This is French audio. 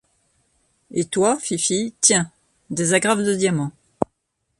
Et toi, fifille, tiens, des agrafes de diamants.